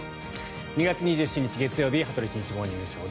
２月２７日、月曜日「羽鳥慎一モーニングショー」。